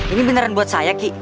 ini beneran buat saya ki